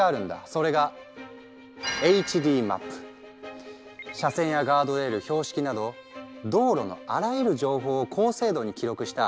それが車線やガードレール標識など道路のあらゆる情報を高精度に記録した